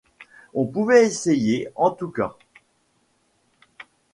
On pouvait essayer, en tout cas.